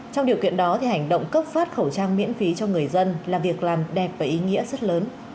trong điều kiện đó hành động cấp phát khẩu trang miễn phí cho người dân là việc làm đẹp và ý nghĩa rất lớn